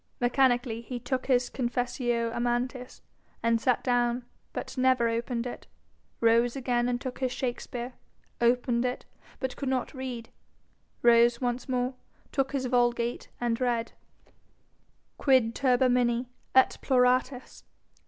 Mechanically he took his Confessio Amantis, and sat down, but never opened it; rose again and took his Shakespere, opened it, but could not read; rose once more, took his Vulgate, and read: 'Quid turbamini, et ploratis?